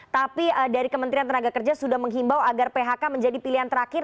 tapi dari kementerian tenaga kerja sudah menghimbau agar phk menjadi pilihan terakhir